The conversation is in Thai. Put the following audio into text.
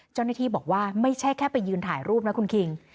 เจ้าหน้าที่บอกว่าไม่ใช่แค่ไปยืนถ่ายรูปนะคุณคิง